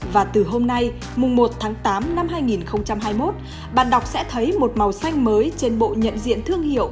và từ hôm nay mùng một tháng tám năm hai nghìn hai mươi một bạn đọc sẽ thấy một màu xanh mới trên bộ nhận diện thương hiệu